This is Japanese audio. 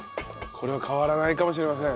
これは変わらないかもしれません。